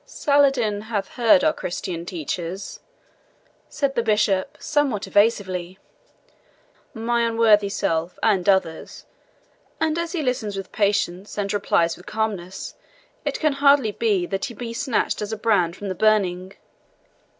"Saladin hath heard our Christian teachers," said the Bishop, somewhat evasively "my unworthy self, and others and as he listens with patience, and replies with calmness, it can hardly be but that he be snatched as a brand from the burning.